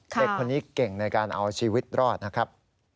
เด็กคนนี้เก่งในการเอาชีวิตรอดนะครับ